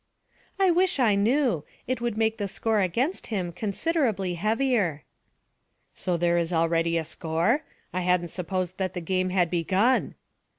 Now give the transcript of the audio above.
"' 'I wish I knew. It would make the score against him considerably heavier.' 'So there is already a score? I hadn't supposed that the game had begun.'